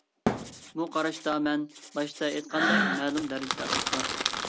بۇ قاراشتا مەن باشتا ئېيتقاندەك مەلۇم دەرىجىدە ئاساس بار.